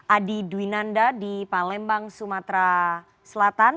adi dwinanda di palembang sumatera selatan